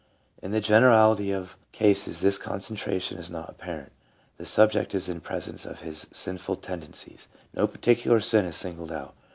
In the generality of cases this concentration is not apparent ; the subject is in presence of his sinful tendencies ; no particular sin is singled out.